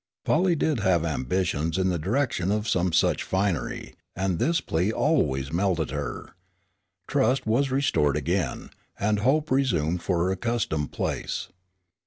Polly did have ambitions in the direction of some such finery, and this plea always melted her. Trust was restored again, and Hope resumed her accustomed place.